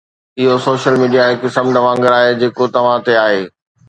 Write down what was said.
اهو social media هڪ سمنڊ وانگر آهي جيڪو توهان تي آهي